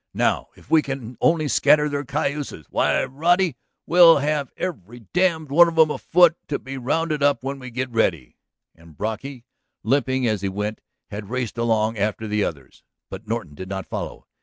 Now if we can only scatter their cayuses ... why, Roddy, we'll have every damned one of 'em afoot to be rounded up when we get ready!" And Brocky, limping as he went, had raced along after the others. But Norton did not follow.